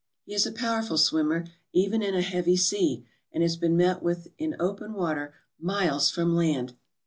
He is a powerful swimmer, even in a heavy sea, and has been met with in open water miles from land.